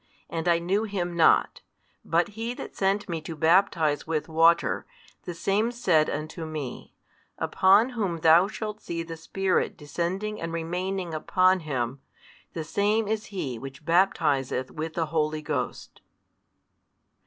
And I knew Him not: but He That sent me to baptize with water, the Same said unto me, Upon Whom thou shalt see the Spirit descending and remaining upon Him, the Same is He Which baptizeth with the Holy Ghost.